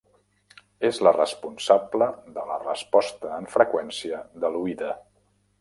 És la responsable de la resposta en freqüència de l'oïda.